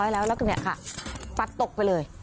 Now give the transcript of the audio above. แล้วพัดตกไปเลย